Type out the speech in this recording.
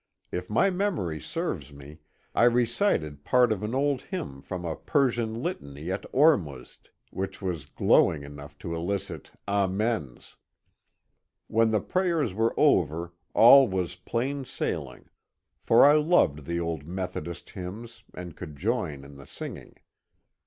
If my memory serves me, I recited part of an old hymn from a Persian litany to Ormuzd, which was glowing enough to elicit Amens." When the prayers were over all was plain sail ing, for I loved the old Methodist hymns and could join in the singing.